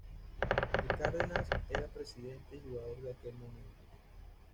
De Cárdenas era presidente y jugador en aquel momento.